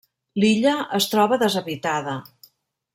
L'illa es troba deshabitada.